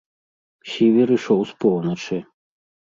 Сівер ішоў з поўначы.